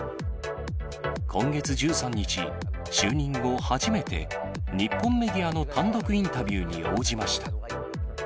今月１３日、就任後初めて、日本メディアの単独インタビューに応じました。